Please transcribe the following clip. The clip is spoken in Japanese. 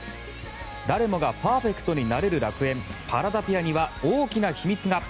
誰もがパーフェクトになれる楽園パラダピアには大きな秘密が。